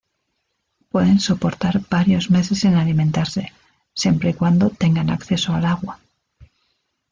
Pueden soportar varios meses sin alimentarse, siempre y cuando tengan acceso al agua.